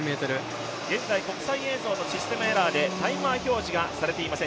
現在国際映像のシステムエラーでタイマー表示がされていません。